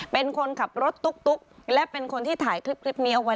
เป็นคนขับรถตุ๊กและเป็นคนที่ถ่ายคลิปนี้เอาไว้